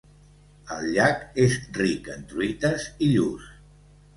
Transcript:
El llac és ric en truites i lluç.